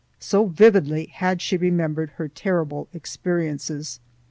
So vividly had she remembered her terrible experiences.